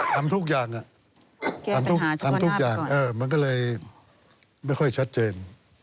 ทำทุกอย่างทำทุกอย่างมันก็เลยไม่ค่อยชัดเจน